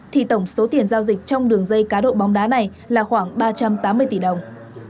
thì tổng số tiền giao dịch trong đường dây cá độ bóng đá này là khoảng ba trăm tám mươi tỷ đồng